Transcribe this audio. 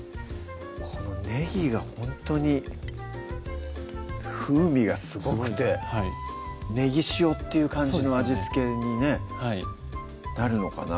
このねぎがほんとに風味がすごくてはいねぎ塩っていう感じの味付けにねなるのかな？